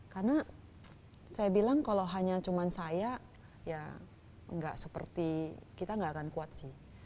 karena saya bilang kalau hanya cuma saya ya gak seperti kita gak akan kuat sih